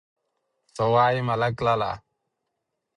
_څه وايې، ملک لالا!